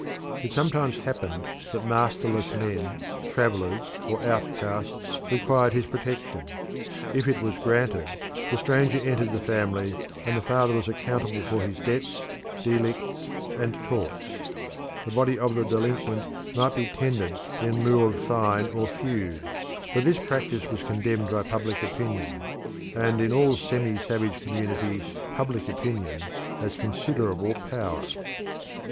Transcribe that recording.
It sometimes happened that masterless men, travellers, or outcasts required his protection. If it was granted, the stranger entered the family, and the father was accountable for his debts, delicts, and torts. The body of the delinquent might be tendered in lieu of fine or feud, but this practice was condemned by public opinion, and in all semi savage communities public opinion has considerable power.